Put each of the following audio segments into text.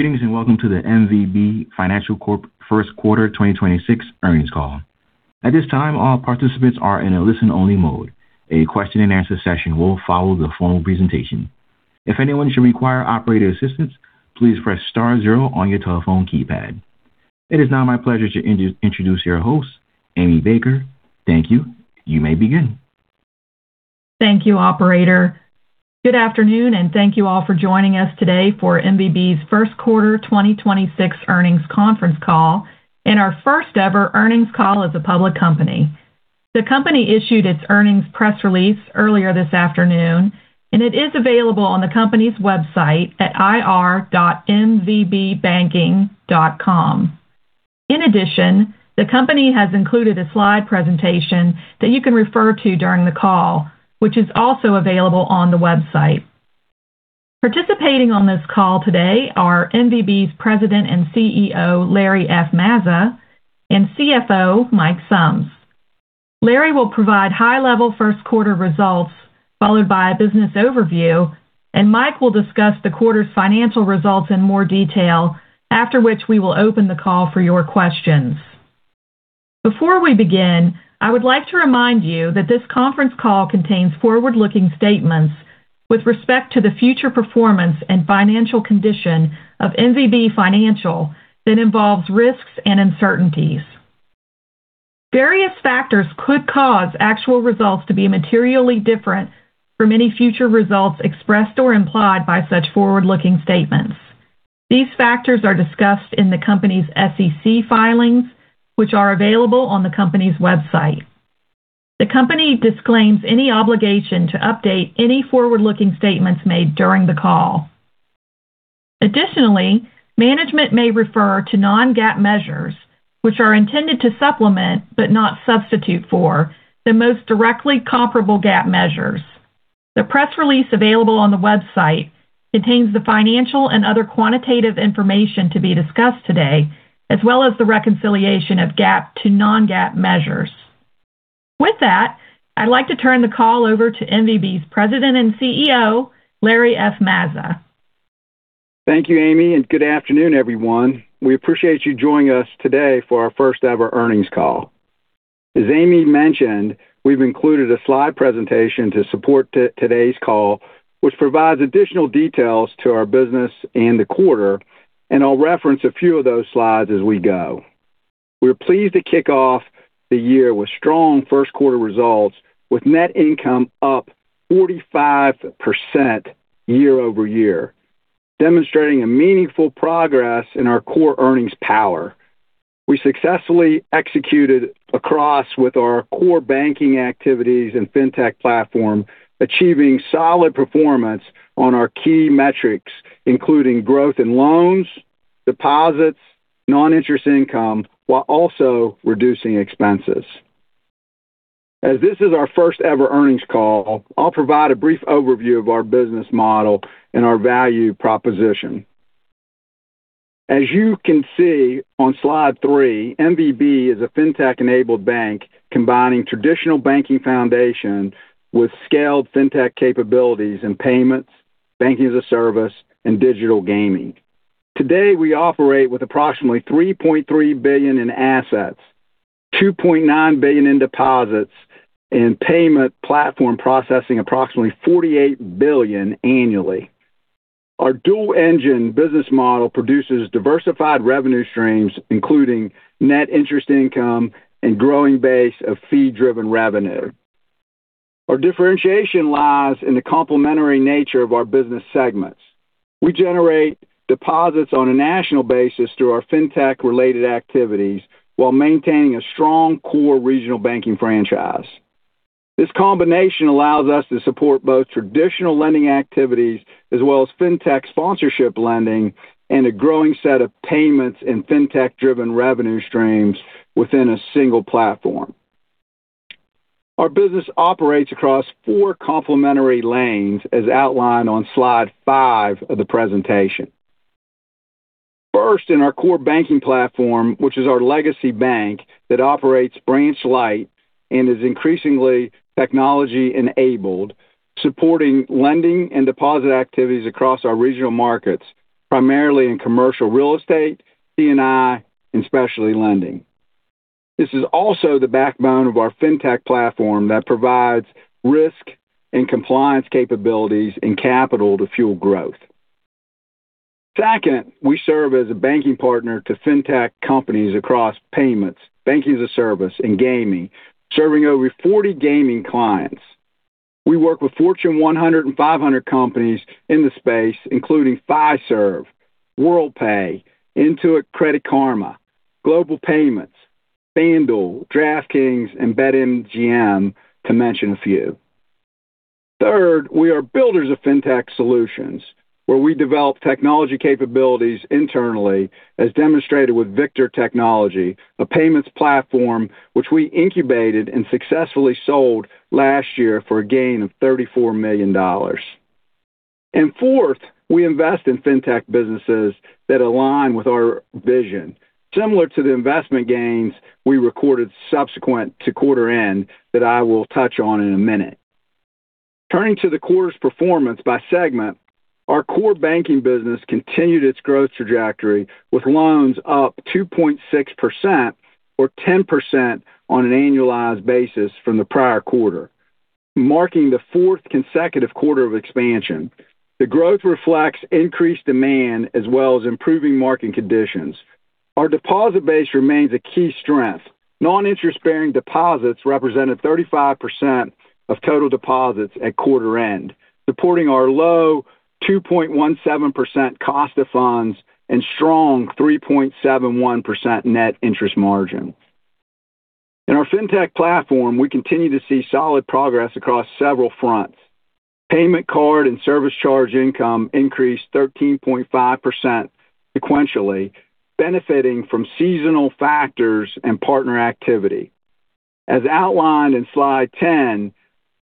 Greetings, and welcome to the MVB Financial Corp first quarter 2026 earnings call. At this time, all participants are in a listen-only mode. A question-and-answer session will follow the formal presentation. If anyone should require operator assistance, please press star zero on your telephone keypad. It is now my pleasure to introduce your host, Amy Baker. Thank you. You may begin. Thank you, operator. Good afternoon, and thank you all for joining us today for MVB's first quarter 2026 earnings conference call and our first-ever earnings call as a public company. The company issued its earnings press release earlier this afternoon, and it is available on the company's website at ir.mvbbanking.com. In addition, the company has included a slide presentation that you can refer to during the call, which is also available on the website. Participating on this call today are MVB's President and CEO, Larry F. Mazza, and CFO, Mike Sumbs. Larry will provide high-level first quarter results followed by a business overview, and Mike will discuss the quarter's financial results in more detail after which we will open the call for your questions. Before we begin, I would like to remind you that this conference call contains forward-looking statements with respect to the future performance and financial condition of MVB Financial that involves risks and uncertainties. Various factors could cause actual results to be materially different for many future results expressed or implied by such forward-looking statements. These factors are discussed in the company's SEC filings, which are available on the company's website. The company disclaims any obligation to update any forward-looking statements made during the call. Additionally, management may refer to non-GAAP measures, which are intended to supplement, but not substitute for, the most directly comparable GAAP measures. The press release available on the website contains the financial and other quantitative information to be discussed today, as well as the reconciliation of GAAP to non-GAAP measures. With that, I'd like to turn the call over to MVB's President and CEO, Larry F. Mazza. Thank you, Amy, and good afternoon, everyone. We appreciate you joining us today for our first-ever earnings call. As Amy mentioned, we've included a slide presentation to support today's call, which provides additional details to our business and the quarter, and I'll reference a few of those slides as we go. We're pleased to kick off the year with strong first quarter results with net income up 45% year-over-year, demonstrating a meaningful progress in our core earnings power. We successfully executed across with our core banking activities and fintech platform, achieving solid performance on our key metrics, including growth in loans, deposits, non-interest income, while also reducing expenses. As this is our first-ever earnings call, I'll provide a brief overview of our business model and our value proposition. As you can see on slide 3, MVB is a fintech-enabled bank combining traditional banking foundation with scaled fintech capabilities in payments, banking-as-a-service, and digital gaming. Today, we operate with approximately $3.3 billion in assets, $2.9 billion in deposits, and payment platform processing approximately $48 billion annually. Our dual-engine business model produces diversified revenue streams, including net interest income and growing base of fee-driven revenue. Our differentiation lies in the complementary nature of our business segments. We generate deposits on a national basis through our fintech-related activities while maintaining a strong core regional banking franchise. This combination allows us to support both traditional lending activities as well as fintech sponsorship lending and a growing set of payments and fintech-driven revenue streams within a single platform. Our business operates across four complementary lanes as outlined on slide 5 of the presentation. First, in our core banking platform, which is our legacy bank that operates branch light and is increasingly technology-enabled, supporting lending and deposit activities across our regional markets, primarily in Commercial Real Estate, C&I, and Specialty Lending. This is also the backbone of our fintech platform that provides risk and compliance capabilities and capital to fuel growth. Second, we serve as a banking partner to fintech companies across payments, banking-as-a-service, and gaming, serving over 40 gaming clients. We work with Fortune 100 and 500 companies in the space, including Fiserv, Worldpay, Intuit, Credit Karma, Global Payments, FanDuel, DraftKings, and BetMGM, to mention a few. Third, we are builders of fintech solutions, where we develop technology capabilities internally, as demonstrated with Victor Technologies, a payments platform which we incubated and successfully sold last year for a gain of $34 million. Fourth, we invest in fintech businesses that align with our vision, similar to the investment gains we recorded subsequent to quarter end that I will touch on in a minute. Turning to the quarter's performance by segment, our core banking business continued its growth trajectory with loans up 2.6% or 10% on an annualized basis from the prior quarter, marking the fourth consecutive quarter of expansion. The growth reflects increased demand as well as improving market conditions. Our deposit base remains a key strength. Non-interest-bearing deposits represented 35% of total deposits at quarter end, supporting our low 2.17% cost of funds and strong 3.71% net interest margin. In our fintech platform, we continue to see solid progress across several fronts. Payment card and service charge income increased 13.5% sequentially, benefiting from seasonal factors and partner activity. As outlined in slide 10,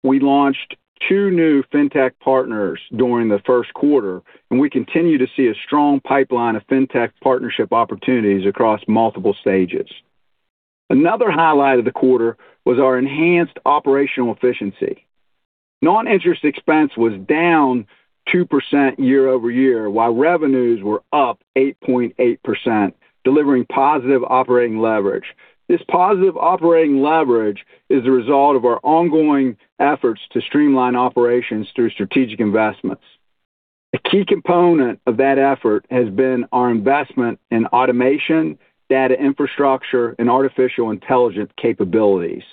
we launched two new fintech partners during the first quarter, and we continue to see a strong pipeline of fintech partnership opportunities across multiple stages. Another highlight of the quarter was our enhanced operational efficiency. Non-interest expense was down 2% year-over-year, while revenues were up 8.8%, delivering positive operating leverage. This positive operating leverage is a result of our ongoing efforts to streamline operations through strategic investments. A key component of that effort has been our investment in automation, data infrastructure, and artificial intelligence capabilities.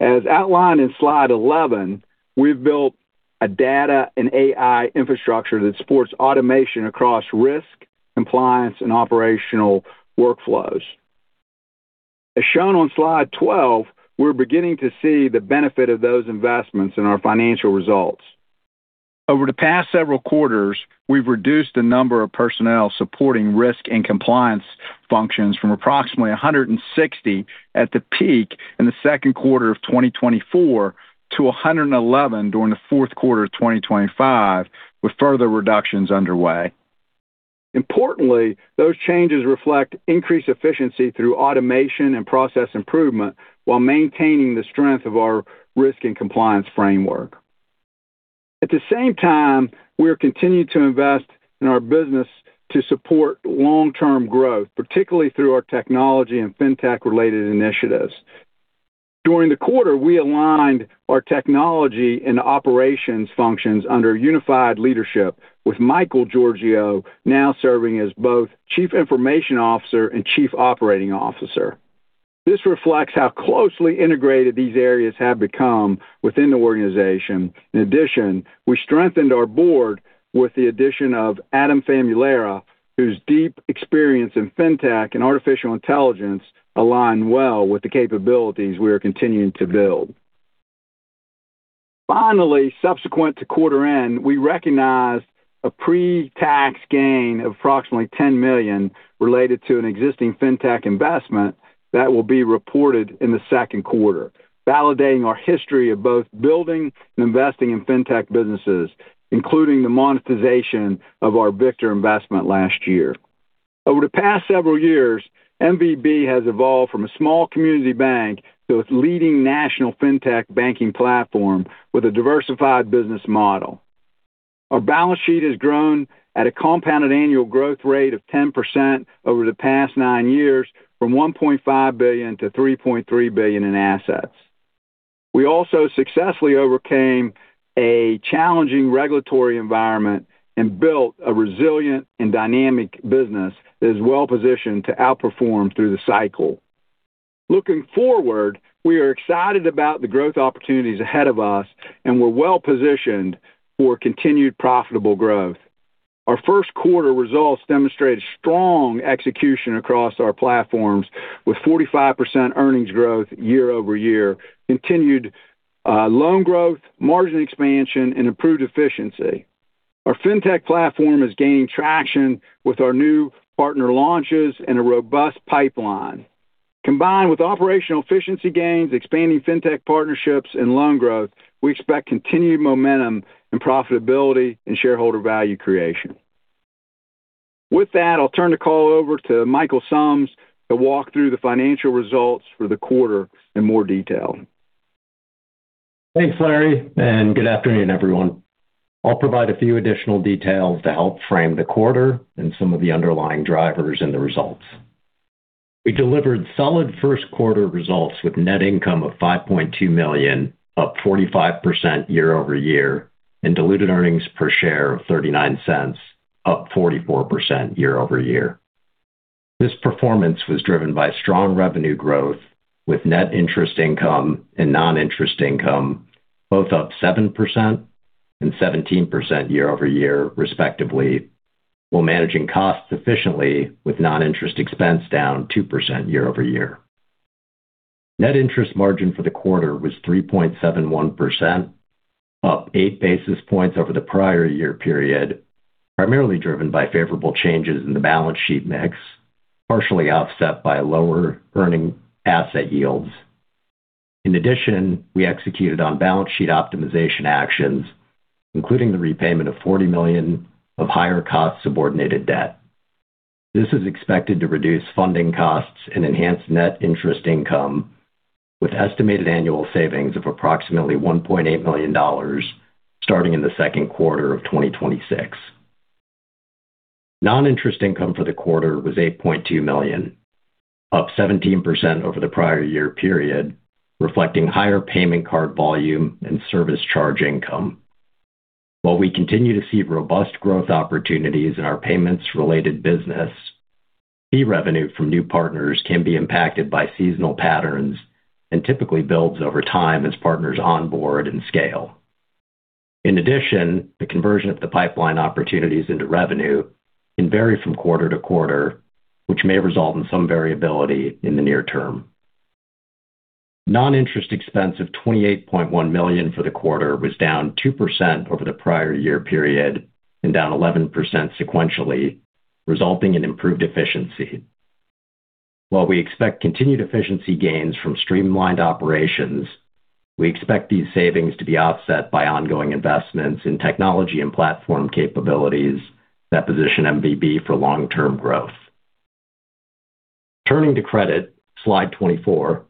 As outlined in slide 11, we've built a data and AI infrastructure that supports automation across risk, compliance, and operational workflows. As shown on slide 12, we're beginning to see the benefit of those investments in our financial results. Over the past several quarters, we've reduced the number of personnel supporting risk and compliance functions from approximately 160 at the peak in the second quarter of 2024 to 111 during the fourth quarter of 2025, with further reductions underway. Importantly, those changes reflect increased efficiency through automation and process improvement while maintaining the strength of our risk and compliance framework. At the same time, we are continuing to invest in our business to support long-term growth, particularly through our technology and fintech-related initiatives. During the quarter, we aligned our technology and operations functions under unified leadership with Michael Giorgio now serving as both Chief Information Officer and Chief Operating Officer. This reflects how closely integrated these areas have become within the organization. In addition, we strengthened our board with the addition of Adam Famularo, whose deep experience in fintech and artificial intelligence align well with the capabilities we are continuing to build. Subsequent to quarter end, we recognized a pre-tax gain of approximately $10 million related to an existing fintech investment that will be reported in the second quarter, validating our history of both building and investing in fintech businesses, including the monetization of our Victor investment last year. Over the past several years, MVB has evolved from a small community bank to its leading national fintech banking platform with a diversified business model. Our balance sheet has grown at a compounded annual growth rate of 10% over the past nine years from $1.5 billion to $3.3 billion in assets. We also successfully overcame a challenging regulatory environment and built a resilient and dynamic business that is well-positioned to outperform through the cycle. Looking forward, we are excited about the growth opportunities ahead of us, and we're well-positioned for continued profitable growth. Our first quarter results demonstrated strong execution across our platforms with 45% earnings growth year-over-year, continued loan growth, margin expansion, and improved efficiency. Our fintech platform is gaining traction with our new partner launches and a robust pipeline. Combined with operational efficiency gains, expanding fintech partnerships, and loan growth, we expect continued momentum in profitability and shareholder value creation. With that, I'll turn the call over to Michael Sumbs to walk through the financial results for the quarter in more detail. Thanks, Larry, and good afternoon, everyone. I'll provide a few additional details to help frame the quarter and some of the underlying drivers in the results. We delivered solid first quarter results with net income of $5.2 million, up 45% year-over-year and diluted earnings per share of $0.39, up 44% year-over-year. This performance was driven by strong revenue growth with net interest income and non-interest income both up 7% and 17% year-over-year respectively, while managing costs efficiently with non-interest expense down 2% year-over-year. Net interest margin for the quarter was 3.71%, up 8 basis points over the prior year period, primarily driven by favorable changes in the balance sheet mix, partially offset by lower earning asset yields. In addition, we executed on balance sheet optimization actions, including the repayment of $40 million of higher cost subordinated debt. This is expected to reduce funding costs and enhance net interest income with estimated annual savings of approximately $1.8 million starting in the second quarter of 2026. Non-interest income for the quarter was $8.2 million, up 17% over the prior year period, reflecting higher payment card volume and service charge income. While we continue to see robust growth opportunities in our payments-related business, fee revenue from new partners can be impacted by seasonal patterns, and typically builds over time as partners onboard and scale. In addition, the conversion of the pipeline opportunities into revenue can vary from quarter-to-quarter, which may result in some variability in the near term. Non-interest expense of $28.1 million for the quarter was down 2% over the prior year period and down 11% sequentially, resulting in improved efficiency. While we expect continued efficiency gains from streamlined operations, we expect these savings to be offset by ongoing investments in technology and platform capabilities that position MVB for long-term growth. Turning to credit, slide 24.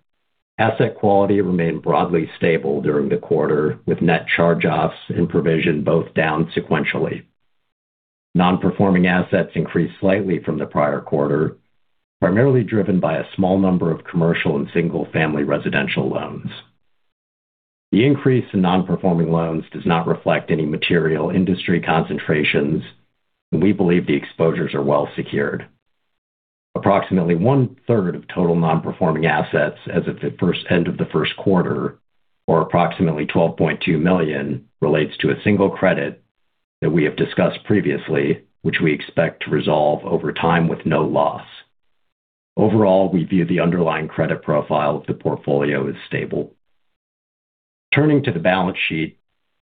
Asset quality remained broadly stable during the quarter, with net charge-offs and provision both down sequentially. Non-performing assets increased slightly from the prior quarter, primarily driven by a small number of commercial and single-family residential loans. The increase in non-performing loans does not reflect any material industry concentrations, and we believe the exposures are well secured. Approximately 1/3 of total non-performing assets as of the first end of the first quarter, or approximately $12.2 million, relates to a single credit that we have discussed previously, which we expect to resolve over time with no loss. Overall, we view the underlying credit profile of the portfolio as stable. Turning to the balance sheet,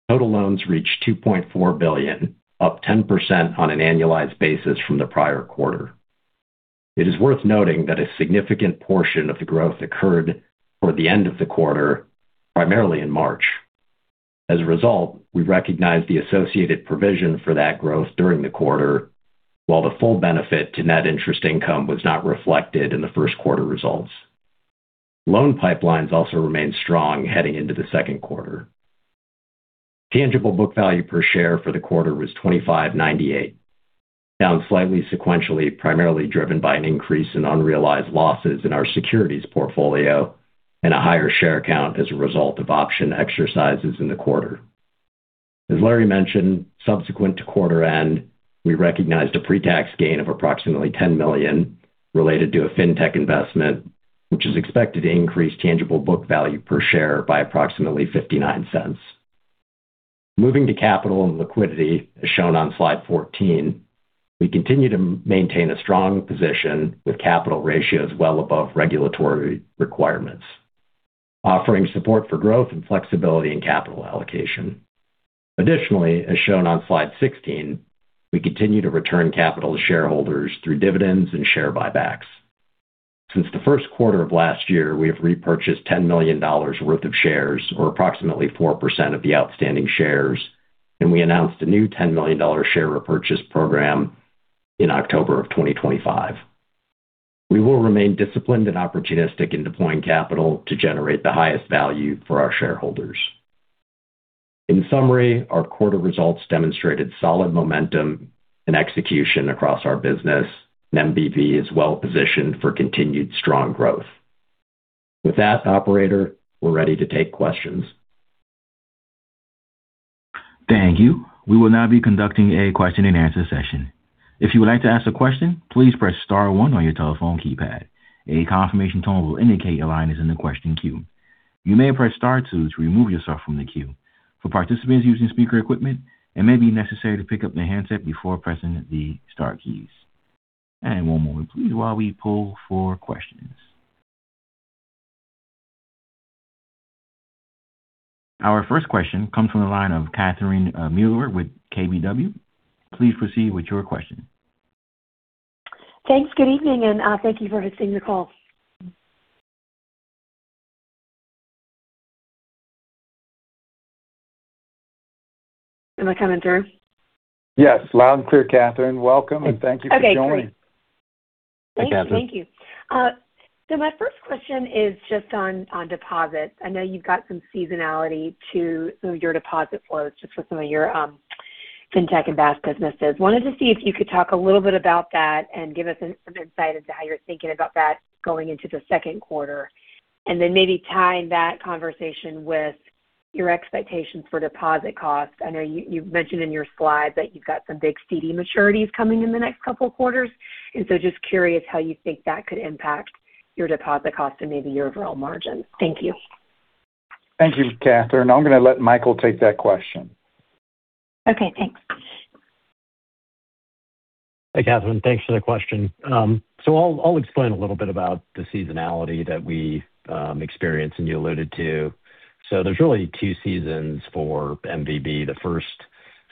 total loans reached $2.4 billion, up 10% on an annualized basis from the prior quarter. It is worth noting that a significant portion of the growth occurred toward the end of the quarter, primarily in March. As a result, we recognized the associated provision for that growth during the quarter, while the full benefit to net interest income was not reflected in the first quarter results. Loan pipelines also remained strong heading into the second quarter. Tangible book value per share for the quarter was $25.98, down slightly sequentially, primarily driven by an increase in unrealized losses in our securities portfolio and a higher share count as a result of option exercises in the quarter. As Larry mentioned, subsequent to quarter end, we recognized a pre-tax gain of approximately $10 million related to a fintech investment, which is expected to increase tangible book value per share by approximately $0.59. Moving to capital and liquidity, as shown on slide 14, we continue to maintain a strong position with capital ratios well above regulatory requirements, offering support for growth and flexibility in capital allocation. Additionally, as shown on slide 16, we continue to return capital to shareholders through dividends and share buybacks. Since the first quarter of last year, we have repurchased $10 million worth of shares, or approximately 4% of the outstanding shares, and we announced a new $10 million share repurchase program in October of 2025. We will remain disciplined and opportunistic in deploying capital to generate the highest value for our shareholders. In summary, our quarter results demonstrated solid momentum and execution across our business, and MVB is well positioned for continued strong growth. With that operator, we're ready to take questions. Thank you. We will now be conducting a question and answer session. If you would like to ask a question, please press star one on your telephone keypad. A confirmation tone will indicate your line is in the question queue. You may press star two to remove yourself from the queue. For participants using speaker equipment, it may be necessary to pick up the handset before pressing the star keys. One moment please while we pull for questions. Our first question comes from the line of Catherine Mealor with KBW. Please proceed with your question. Thanks. Good evening, and, thank you for hosting the call. Am I coming through? Yes. Loud and clear, Catherine. Welcome, and thank you for joining. Okay, great. Hi, Catherine. Thank you. Thank you. My first question is just on deposits. I know you've got some seasonality to your deposit flows just with some of your fintech and BaaS businesses. Wanted to see if you could talk a little bit about that and give us some insight into how you're thinking about that going into the second quarter, and then maybe tie in that conversation with your expectations for deposit costs. I know you've mentioned in your slides that you've got some big CD maturities coming in the next couple quarters, just curious how you think that could impact your deposit cost and maybe your overall margin. Thank you. Thank you, Catherine. I'm gonna let Michael take that question. Okay, thanks. Hey, Catherine. Thanks for the question. I'll explain a little bit about the seasonality that we experience and you alluded to. There's really two seasons for MVB. The first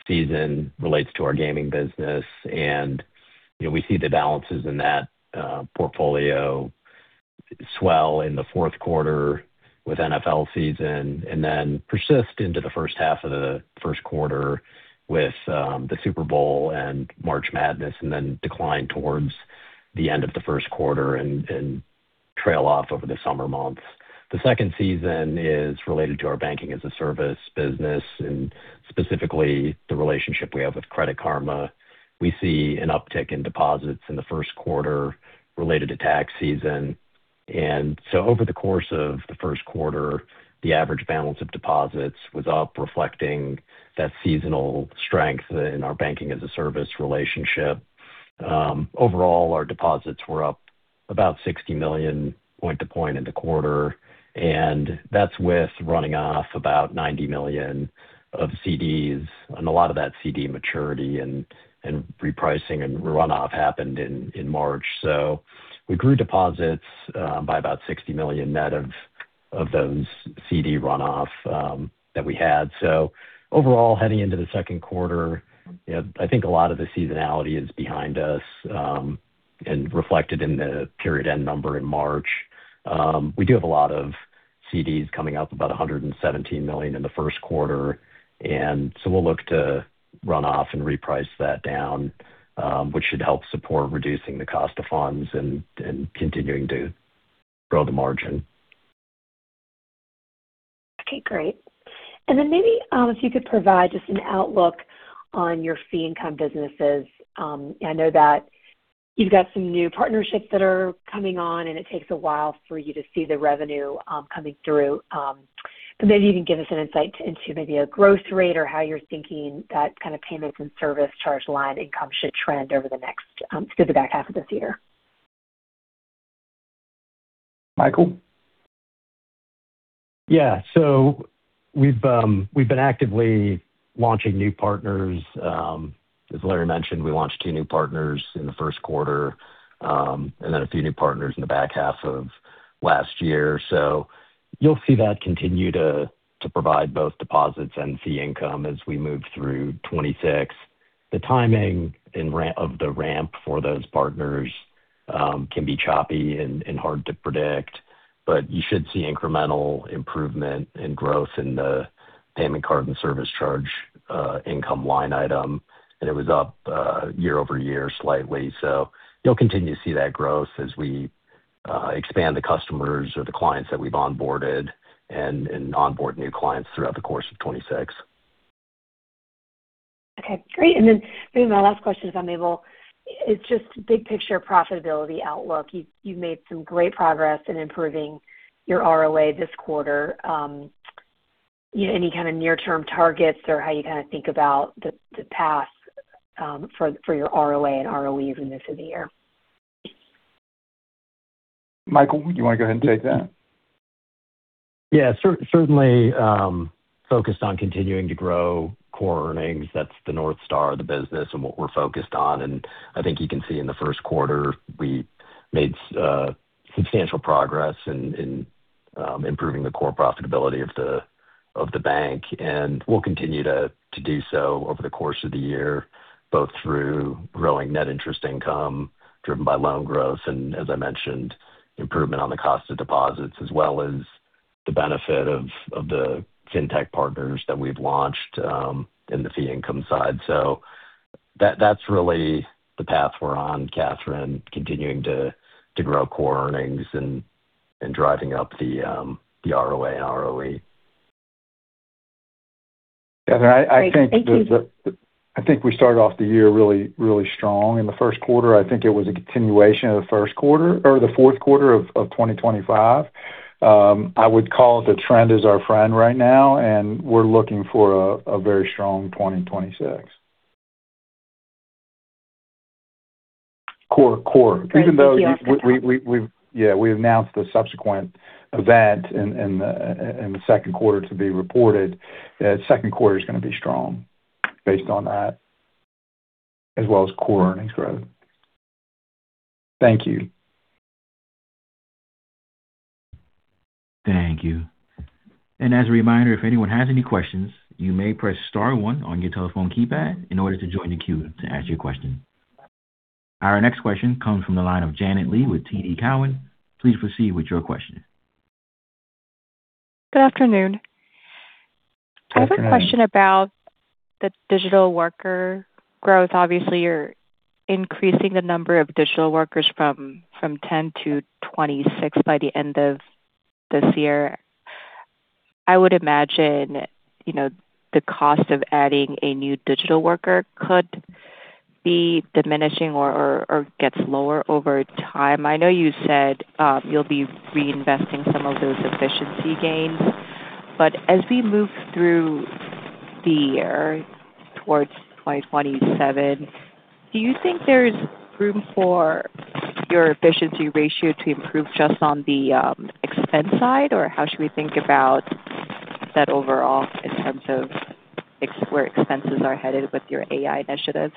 season relates to our gaming business. You know, we see the balances in that portfolio swell in the fourth quarter with NFL season and then persist into the first half of the first quarter with the Super Bowl and March Madness, and then decline towards the end of the first quarter and trail off over the summer months. The second season is related to our banking-as-a-service business, and specifically the relationship we have with Credit Karma. We see an uptick in deposits in the first quarter related to tax season. Over the course of the first quarter, the average balance of deposits was up, reflecting that seasonal strength in our banking-as-a-service relationship. Overall, our deposits were up about $60 million point to point in the quarter, and that's with running off about $90 million of CDs and a lot of that CD maturity and repricing and runoff happened in March. We grew deposits by about $60 million net of those CD runoff that we had. Overall, heading into the second quarter, you know, I think a lot of the seasonality is behind us and reflected in the period-end number in March. We do have a lot of CDs coming up, about $117 million in the first quarter. We'll look to run off and reprice that down, which should help support reducing the cost of funds and continuing to grow the margin. Okay, great. Maybe, if you could provide just an outlook on your fee income businesses. I know that you've got some new partnerships that are coming on, and it takes a while for you to see the revenue coming through. Maybe you can give us an insight into maybe a growth rate or how you're thinking that kind of payments and service charge line income should trend over the next through the back half of this year. Michael? Yeah. We've been actively launching new partners. As Larry mentioned, we launched two new partners in the first quarter, a few new partners in the back half of last year. You'll see that continue to provide both deposits and fee income as we move through 2026. The timing and of the ramp for those partners can be choppy and hard to predict, but you should see incremental improvement and growth in the payment card and service charge income line item. It was up year-over-year slightly. You'll continue to see that growth as we expand the customers or the clients that we've onboarded and onboard new clients throughout the course of 2026. Okay, great. Maybe my last question, if I may, Will, is just big picture profitability outlook. You've made some great progress in improving your ROA this quarter. Any kind of near-term targets or how you kind of think about the path for your ROA and ROEs in the rest of the year? Michael, you want to go ahead and take that? Certainly, focused on continuing to grow core earnings. That's the north star of the business and what we're focused on. I think you can see in the first quarter we made substantial progress in improving the core profitability of the bank. We'll continue to do so over the course of the year, both through growing net interest income driven by loan growth and, as I mentioned, improvement on the cost of deposits as well as the benefit of the fintech partners that we've launched in the fee income side. That's really the path we're on, Catherine, continuing to grow core earnings and driving up the ROA and ROE. Catherine, I think the Great. Thank you. I think we started off the year really, really strong in the first quarter. I think it was a continuation of the first quarter or the fourth quarter of 2025. I would call it the trend is our friend right now. We're looking for a very strong 2026, core. Great. Thank you. Even though yeah, we announced the subsequent event in the second quarter to be reported. Second quarter is going to be strong based on that as well as core earnings growth. Thank you. Thank you. As a reminder, if anyone has any questions, you may press star one on your telephone keypad in order to join the queue to ask your question. Our next question comes from the line of Janet Lee with TD Cowen. Please proceed with your question. Good afternoon. Good afternoon. I have a question about the digital worker growth. Obviously, you're increasing the number of digital workers from 10 to 26 by the end of this year. I would imagine, you know, the cost of adding a new digital worker could be diminishing or gets lower over time. I know you said, you'll be reinvesting some of those efficiency gains. As we move through the year towards 2027, do you think there's room for your efficiency ratio to improve just on the expense side? How should we think about that overall in terms of where expenses are headed with your AI initiatives?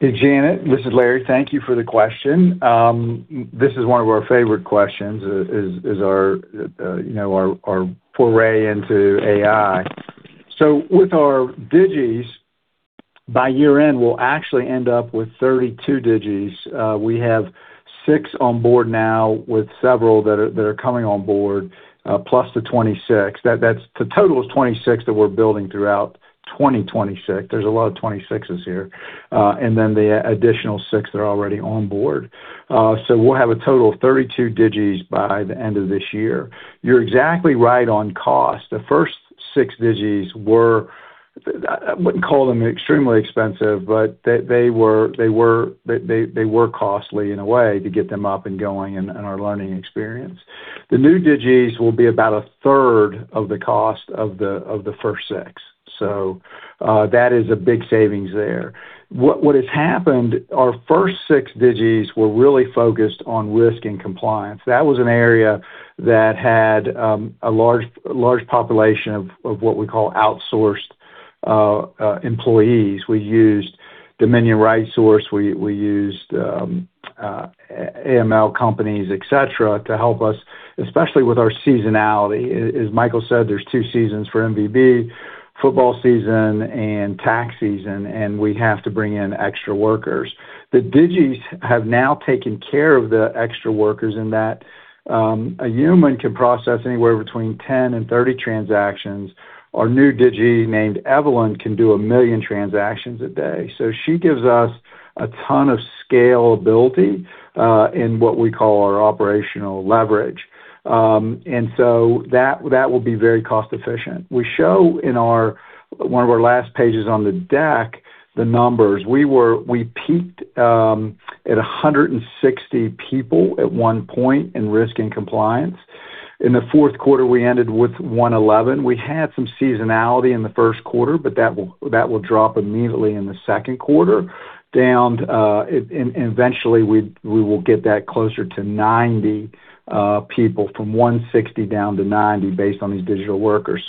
Janet, this is Larry. Thank you for the question. This is one of our favorite questions, is our, you know, our foray into AI. With our digis. By year-end, we'll actually end up with 32 Digis. We have six on board now with several that are coming on board, plus the 26. The total is 26 that we're building throughout 2026. There's a lot of 26s here. The additional six that are already on board. We'll have a total of 32 Digis by the end of this year. You're exactly right on cost. The first six Digis were: I wouldn't call them extremely expensive, but they were costly in a way to get them up and going in our learning experience. The new Digis will be about 1/3 of the cost of the first six. That is a big savings there. What has happened, our first six Digis were really focused on risk and compliance. That was an area that had a large population of what we call outsourced employees. We used Dominion RightSource, we used AML companies, et cetera, to help us, especially with our seasonality. As Michael said, there's two seasons for MVB, football season and tax season, and we have to bring in extra workers. The Digis have now taken care of the extra workers in that a human can process anywhere between 10 and 30 transactions. Our new Digi named Evelyn can do 1 million transactions a day. She gives us a ton of scalability in what we call our operational leverage. That will be very cost-efficient. We show in our, one of our last pages on the deck, the numbers. We peaked at 160 people at one point in risk and compliance. In the fourth quarter, we ended with 111. We had some seasonality in the first quarter, but that will drop immediately in the second quarter down, and eventually we will get that closer to 90 people from 160 down to 90 based on these digital workers.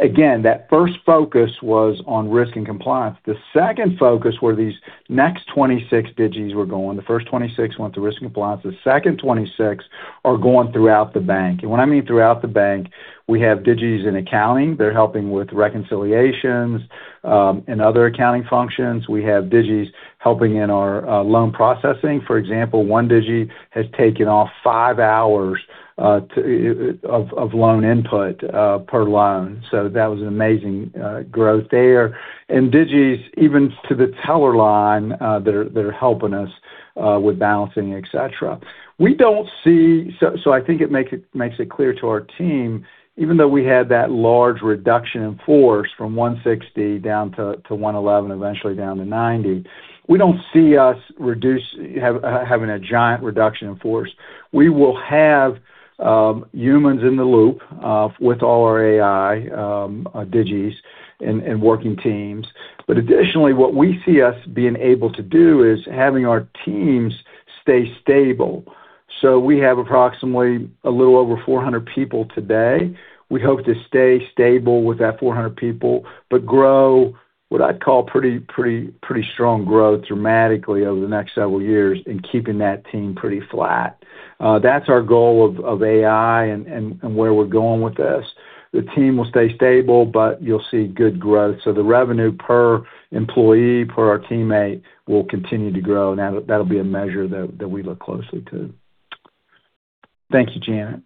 Again, that first focus was on risk and compliance. The second focus were these next 26 Digis were going. The first 26 went to risk and compliance. The second 26 are going throughout the bank. When I mean throughout the bank, we have Digis in accounting. They're helping with reconciliations and other accounting functions. We have Digis helping in our loan processing. For example, 1 Digi has taken off five hours of loan input per loan. That was an amazing growth there. Digis, even to the teller line, they're helping us with balancing, et cetera. I think it makes it clear to our team, even though we had that large reduction in force from 160 down to 111, eventually down to 90, we don't see us reduce having a giant reduction in force. We will have humans in the loop with all our AI Digis and working teams. Additionally, what we see us being able to do is having our teams stay stable. We have approximately a little over 400 people today. We hope to stay stable with that 400 people, but grow what I'd call pretty strong growth dramatically over the next several years in keeping that team pretty flat. That's our goal of AI and where we're going with this. The team will stay stable, but you'll see good growth. The revenue per employee, per our teammate, will continue to grow. That'll be a measure that we look closely to. Thank you, Janet.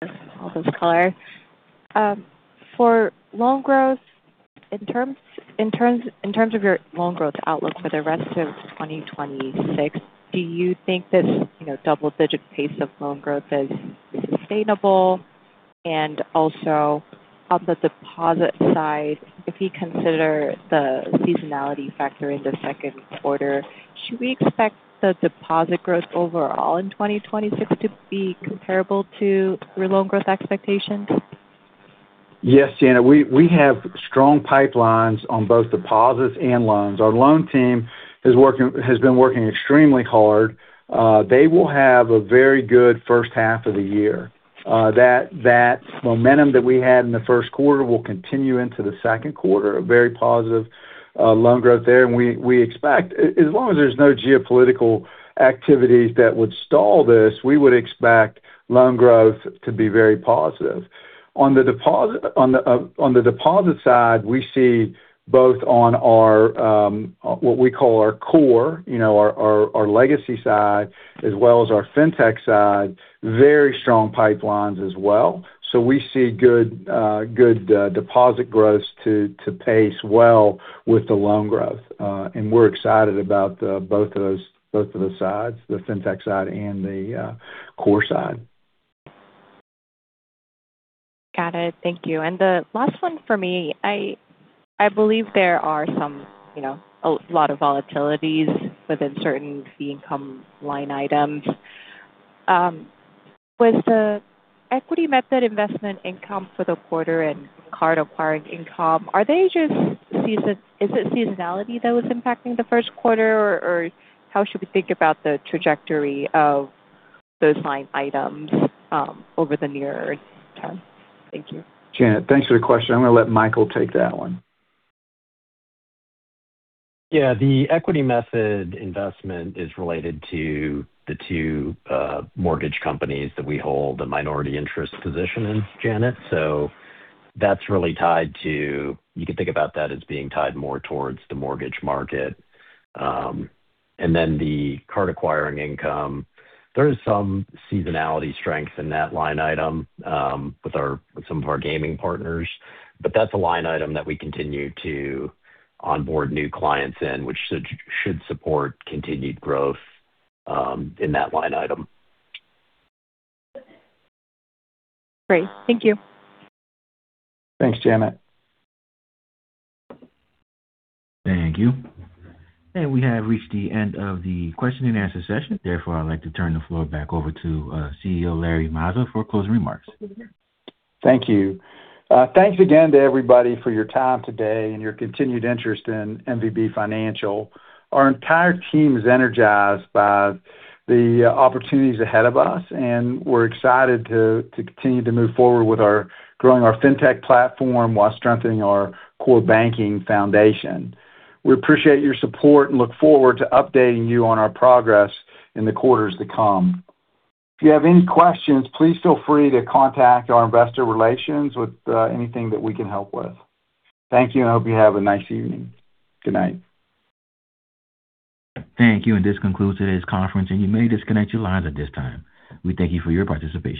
That is clear. For loan growth, in terms of your loan growth outlook for the rest of 2026, do you think this, you know, double-digit pace of loan growth is sustainable? Also, on the deposit side, if you consider the seasonality factor in the second quarter, should we expect the deposit growth overall in 2026 to be comparable to your loan growth expectations? Yes, Janet. We have strong pipelines on both deposits and loans. Our loan team has been working extremely hard. They will have a very good first half of the year. That momentum that we had in the first quarter will continue into the second quarter, a very positive loan growth there. We expect, as long as there's no geopolitical activities that would stall this, we would expect loan growth to be very positive. On the deposit side, we see both on our what we call our core legacy side as well as our fintech side, very strong pipelines as well. We see good deposit growth to pace well with the loan growth. We're excited about both of those, both of the sides, the fintech side and the core side. Got it. Thank you. The last one for me. I believe there are some, you know, a lot of volatilities within certain fee income line items. With the equity method investment income for the quarter and card acquiring income, are they just, is it seasonality that was impacting the first quarter, or how should we think about the trajectory of those line items over the near term? Thank you. Janet, thanks for the question. I'm gonna let Michael take that one. Yeah. The equity method investment is related to the two mortgage companies that we hold the minority interest position in, Janet. You can think about that as being tied more towards the mortgage market. The card acquiring income, there is some seasonality strength in that line item, with some of our gaming partners. That's a line item that we continue to onboard new clients in, which should support continued growth in that line item. Great. Thank you. Thanks, Janet. Thank you. We have reached the end of the question and answer session. Therefore, I'd like to turn the floor back over to CEO Larry Mazza for closing remarks. Thank you. Thanks again to everybody for your time today and your continued interest in MVB Financial. Our entire team is energized by the opportunities ahead of us, and we're excited to continue to move forward with our growing our fintech platform while strengthening our core banking foundation. We appreciate your support and look forward to updating you on our progress in the quarters to come. If you have any questions, please feel free to contact our investor relations with anything that we can help with. Thank you, and hope you have a nice evening. Good night. Thank you. And this concludes today's conference, and you may disconnect your lines at this time. We thank you for your participation.